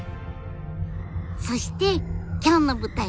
そして今日の舞台